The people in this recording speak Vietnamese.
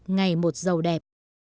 ngày một giàu đẹp